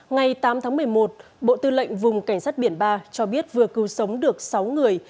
ngày tám tháng một mươi một bộ tư lệnh vùng cảnh sát biển ba cho biết vừa cứu sống được sáu người